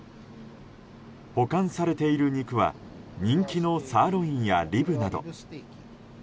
保管されている肉は人気のサーロインやリブなど。